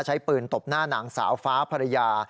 ใช้ปืนตบหน้านางสาวฟ้าภรรยา